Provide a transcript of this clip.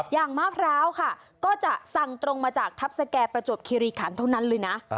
มะพร้าวค่ะก็จะสั่งตรงมาจากทัพสแก่ประจวบคิริขันเท่านั้นเลยนะ